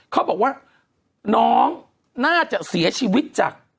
เขาบอกว่าน้องน่าจะเสียชีวิตจาก